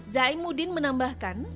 zahim udin menambahkan